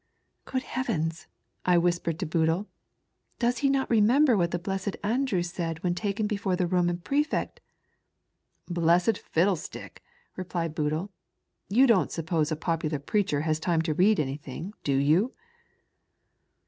"Good heavens!" I whispered to Boodle, "does he not remember what the blessed Andrew eaid when taken before the Roman Prefect. .."" Blessed fiddlestick !" replied Boodle, " you don't suppose a popular preacher has time to read any thing, do you?"